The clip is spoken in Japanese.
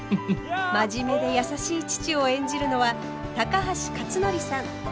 真面目で優しい父を演じるのは高橋克典さん。